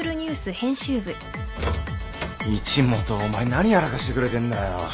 一本お前何やらかしてくれてんだよ。